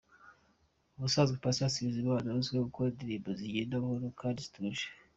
Ubusanzwe Patient Bizimana azwiho gukora indirimbo zigenda buhoro kandi zituje.